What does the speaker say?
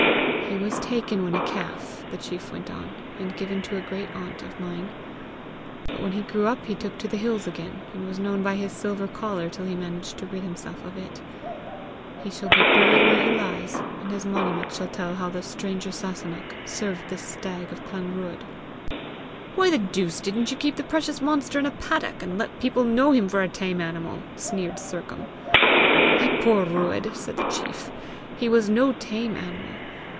"He was taken when a calf," the chief went on, "and given to a great aunt of mine. But when he grew up, he took to the hills again, and was known by his silver collar till he managed to rid himself of it. He shall be buried where he lies, and his monument shall tell how the stranger Sasunnach served the stag of Clanruadh!" "Why the deuce didn't you keep the precious monster in a paddock, and let people know him for a tame animal?" sneered Sercombe. "My poor Euadh!" said the chief; "he was no tame animal!